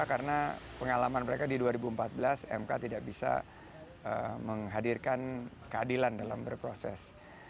karena pengalaman mereka di dua ribu empat belas mk tidak bisa menghadirkan keadilan dalam berproses